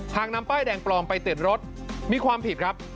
หากนำป้ายแดงปลอมไปติดรถมีความผิดครับ